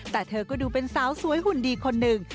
แต่เธอก็ดูเป็นสาวสวยหุ่นดีคนหนึ่ง